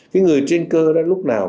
cái người trên cơ đó lúc nào